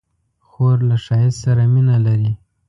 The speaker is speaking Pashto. خور له ښایست سره مینه لري.